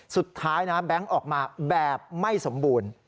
สุดท้ายนะแบงค์ออกมาแบบไม่สมบูรณ์